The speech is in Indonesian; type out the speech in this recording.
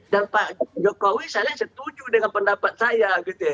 dan pak jokowi saya setuju dengan pendapat saya